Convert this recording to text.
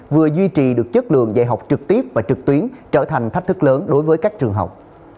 vừa duy trì được chất lượng dạy học trực tiếp và trực tuyến trở thành thách thức lớn đối với các trường học